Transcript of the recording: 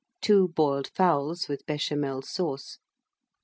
Two Boiled Fowls, with Béchamel Sauce.